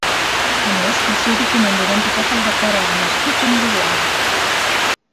A més, el seu document d'identitat el declarava nascut en Uruguai.